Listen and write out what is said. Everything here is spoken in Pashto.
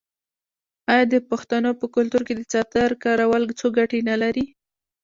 آیا د پښتنو په کلتور کې د څادر کارول څو ګټې نلري؟